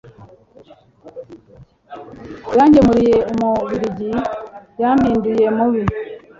yangemuriye umubiligi yampinduye mubi